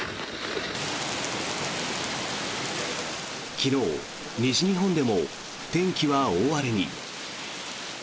昨日、西日本でも天気は大荒れに。